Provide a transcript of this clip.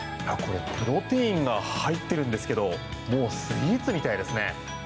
プロテインが入っているんですけどもうスイーツみたいですね。